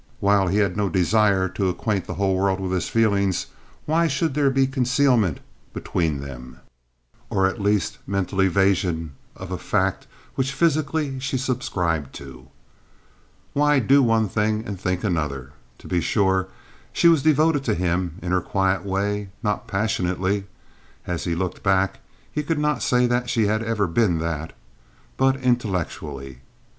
While he had no desire to acquaint the whole world with his feelings, why should there be concealment between them, or at least mental evasion of a fact which physically she subscribed to? Why do one thing and think another? To be sure, she was devoted to him in her quiet way, not passionately (as he looked back he could not say that she had ever been that), but intellectually.